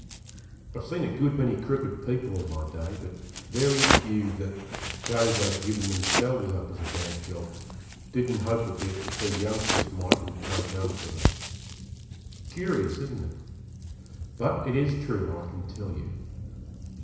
I've seen a good many crooked people in my day, but very few that, though they'd given themselves up as a bad job, didn't hope a bit that their youngsters mightn't take after them. Curious, isn't it? But it is true, I can tell you.